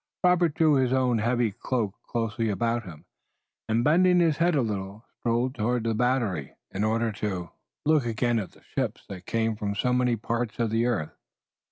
Robert drew his own heavy cloak closely about him, and, bending his head a little, strolled toward the Battery, in order to look again at the ships that came from so many parts of the earth.